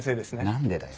何でだよ。